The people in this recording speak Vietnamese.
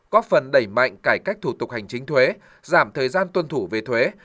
góp phần đẩy mạnh cải cách thủ tục hành chính thuế giảm thời gian tuân thủ về thuế